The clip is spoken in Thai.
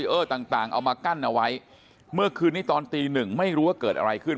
เออต่างเอามากั้นเอาไว้เมื่อคืนนี้ตอนตีหนึ่งไม่รู้ว่าเกิดอะไรขึ้น